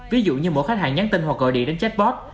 ví dụ như mỗi khách hàng nhắn tin hoặc gọi điện đến chatbot